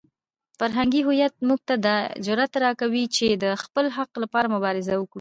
فرهنګي هویت موږ ته دا جرئت راکوي چې د خپل حق لپاره مبارزه وکړو.